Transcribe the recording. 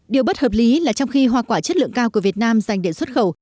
điều bất hợp lý là trong khi hoa quả chất lượng cao của việt nam dành để xuất khẩu